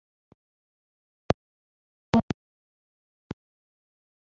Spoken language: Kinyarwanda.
bitewe n’uburyo kamunuzeza.